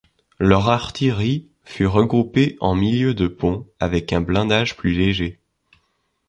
Leur artillerie fut regroupée en milieu de pont avec un blindage plus léger.